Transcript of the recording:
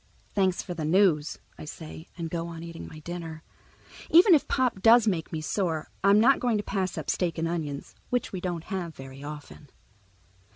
"Thanks for the news," I say and go on eating my dinner. Even if Pop does make me sore, I'm not going to pass up steak and onions, which we don't have very often.